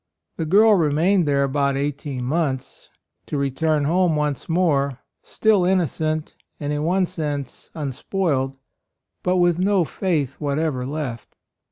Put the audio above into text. The girl remained there about eighteen months, to re turn home once more, still inno cent and in one sense unspoiled, but with no faith whatever left.